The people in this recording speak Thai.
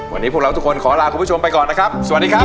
วันนี้พวกเราทุกคนขอลาคุณผู้ชมไปก่อนนะครับสวัสดีครับ